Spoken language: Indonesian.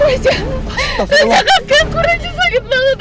raja raja kaget raja sakit banget